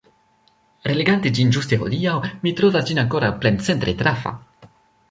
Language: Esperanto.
Relegante ĝin ĝuste hodiaŭ, mi trovas ĝin ankoraŭ plencentre trafa.